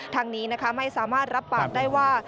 ทางนี้นะคะไม่สามารถรับปากได้ว่า